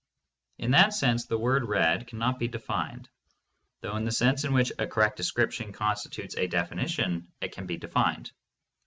In that sense the word "red" cannot be defined, though in the sense in which a correct description constitutes a definition it can be defined.